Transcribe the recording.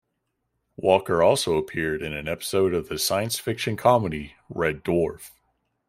Walker also appeared in an episode of the science fiction comedy "Red Dwarf".